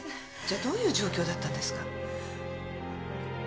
じゃあどういう状況だったんですか？